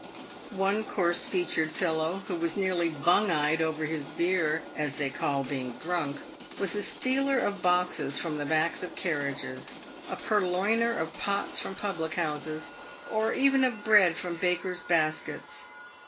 One coarse featured fellow, who was nearly "bung eyed" over his beer (as they call being drunk), was a stealer of boxes from the backs of carriages, a purloiner of pots from public houses, or even of bread from bakers' baskets.